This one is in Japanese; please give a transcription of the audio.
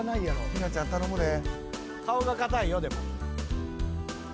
ひなちゃん頼むで。